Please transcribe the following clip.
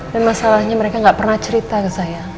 dan masalahnya mereka gak pernah cerita ke saya